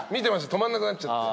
止まんなくなっちゃって。